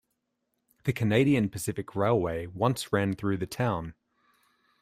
The Canadian Pacific Railway once ran through the town.